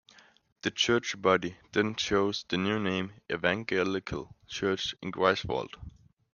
The church body then chose the new name "Evangelical Church in Greifswald".